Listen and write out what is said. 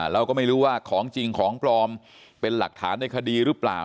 เราก็ไม่รู้ว่าของจริงของปลอมเป็นหลักฐานในคดีหรือเปล่า